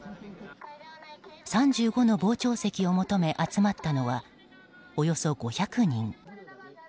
３５の傍聴席を求め集まったのはおよそ５００人。